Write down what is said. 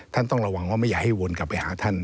ต้องระวังว่าไม่อยากให้วนกลับไปหาท่าน